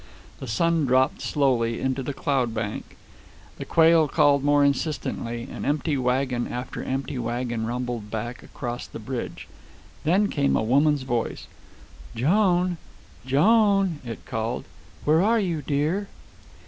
The sun dropped slowly into the cloud bank, the quail called more insistently, and empty wagon after empty wagon rumbled back across the bridge. Then came a woman's voice. "Joan! Joan!" it called. "Where are you, dear?"